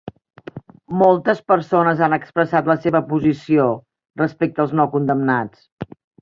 Moltes persones han expressat la seva posició respecte als nou condemnats.